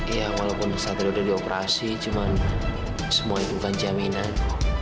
ya walaupun satri udah dioperasi cuman semua itu bukan jaminan